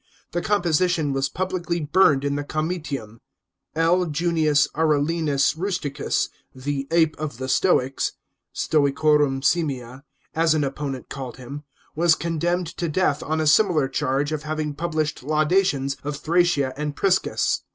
The composition was publicly burned in the Comitium. L. Junius Arulenus Rusticus, " the ape of the Stoics " (stoicorum aimia), as an opponent called him, was condemned to 9S 96 MAIESTAS AND DELATION. 391 death on & ifmilar charge of having published laudations of Thrasea and Priscus.